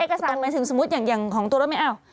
เอกสารเป็นสมมุติอย่างของตัวรถเมย์